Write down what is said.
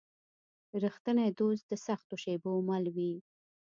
رښتینی دوست د سختو شېبو مل وي.